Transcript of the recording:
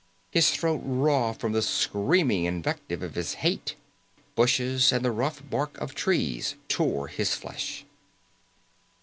His throat raw from the screaming invective of his hate. Bushes and the rough bark of trees tore his flesh.